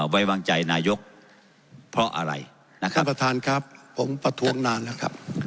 ไว้วางใจนายกเพราะอะไรนะครับท่านประธานครับผมประท้วงนานแล้วครับ